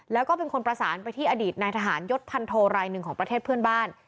แล้วก็เป็นคนประสานไปที่อดีตนายทหารยศพันโทรายหนึ่งของประเทศเพื่อนบ้าน